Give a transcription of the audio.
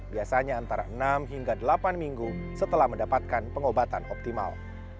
biasanya antara enam hingga delapan minggu setelah mendapatkan pengobatan optimal